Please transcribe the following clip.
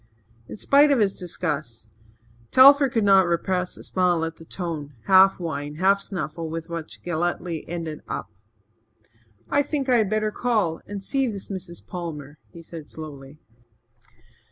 In spite of his disgust, Telford could not repress a smile at the tone, half whine, half snuffle, with which Galletly ended up. "I think I had better call and see this Mrs. Palmer," he said slowly.